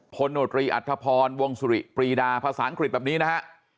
โนตรีอัธพรวงสุริปรีดาภาษาอังกฤษแบบนี้นะฮะ